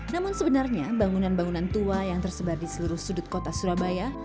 namun sebenarnya bangunan bangunan tua yang tersebar di seluruh sudut kota surabaya